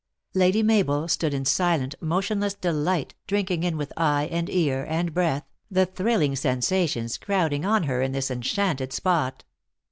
Lady Mabel stood in silent, motionless delight, drinking in with eye, and ear, and breath, the thrilling sensations crowding on her in this enchanted spot.